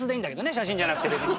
写真じゃなくて別に。